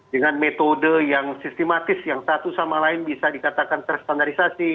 dengan metode yang sistematis yang satu sama lain bisa dikatakan terstandarisasi